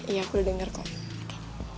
iya aku udah denger kok